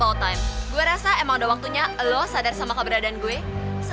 kemaren gue nyoba terus gak bisa